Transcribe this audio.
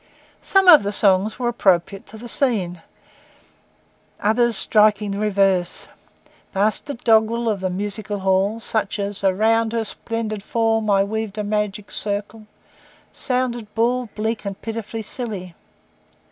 Some of the songs were appropriate to the scene; others strikingly the reverse. Bastard doggrel of the music hall, such as, 'Around her splendid form, I weaved the magic circle,' sounded bald, bleak, and pitifully silly.